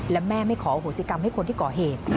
และแม่ไม่ขอโหสิกรรมให้คนที่ก่อเหตุ